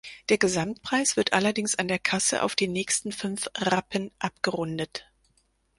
Der Gesamtpreis wird allerdings an der Kasse auf die nächsten fünf Rappen abgerundet.